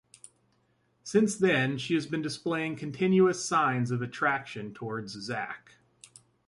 Since then she has been displaying continuous signs of attraction towards Zack.